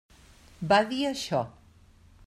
Va dir això.